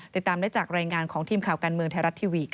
ติดตามได้จากรายงานของทีมข่าวการเมืองไทยรัฐทีวีค่ะ